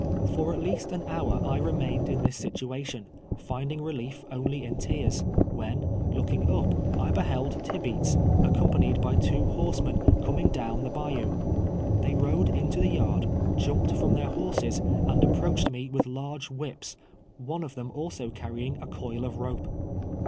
For at least an hour I remained in this situation, find ing relief only in tears, when, looking u]), I beheld Tibeats, accompanied by two horsemen, coming down rhe bayou. They rode into the yard, jumped from their horses, and approached me with large whips, one of them also carrying a coil of rope.